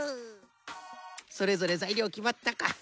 それぞれざいりょうきまったか。